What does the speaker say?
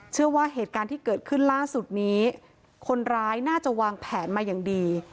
เชื่อว่าเหตุการณ์ที่เกิดขึ้นล่าสุดนี้คนร้ายน่าจะวางแผนมาอย่างดี